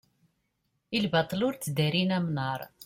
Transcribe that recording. i lbaṭel ur tteddarin amnaṛ